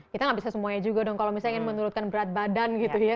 kita nggak bisa semuanya juga dong kalau misalnya ingin menurunkan berat badan gitu ya